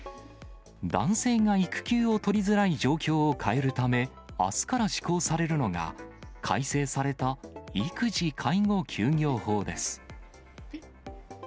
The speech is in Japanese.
男性が育休を取りづらい状況を変えるため、あすから施行されるのが、改正された育児・介護休業法です。